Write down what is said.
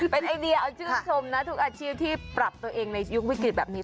เป็นไอเดียเอาชื่นชมนะทุกอาชีพที่ปรับตัวเองในยุควิกฤตแบบนี้